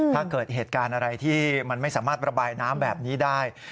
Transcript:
ถ้าเกิดเหตุการณ์อะไรที่มันไม่สามารถระบายน้ำแบบนี้ได้